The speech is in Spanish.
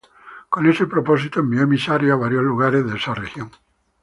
Con ese propósito envió emisarios a varios lugares de esa región.